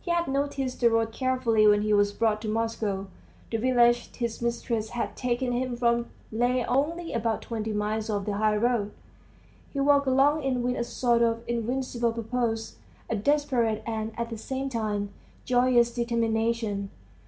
He had noticed the road carefully when he was brought to Moscow; the village his mistress had taken him from lay only about twenty miles off the high road. He walked along it with a sort of invincible purpose, a desperate and at the same time joyous determination.